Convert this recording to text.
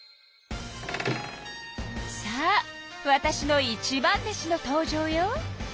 さあわたしの一番弟子の登場よ。